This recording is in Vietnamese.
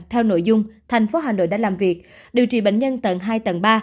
theo nội dung thành phố hà nội đã làm việc điều trị bệnh nhân tầng hai tầng ba